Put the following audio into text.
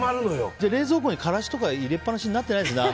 じゃあ冷蔵庫に、からしとか入れっぱなしになってないですね。